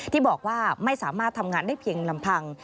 ที่บอกว่าไม่สามารถทำงานได้เพียงลำพัง